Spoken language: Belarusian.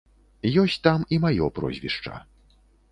Ёсць там і маё прозвішча.